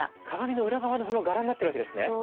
鏡の裏側のその柄になってるわけですね。